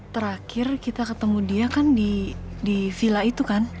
terakhir kita ketemu dia kan di villa itu kan